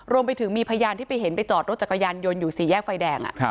รวมไปถึงมีพยานที่ไปเห็นไปจอดรถจักรยานยนต์อยู่สี่แยกไฟแดง